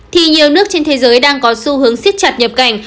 thì nhiều nước trên thế giới đang có xu hướng siết chặt nhập cảnh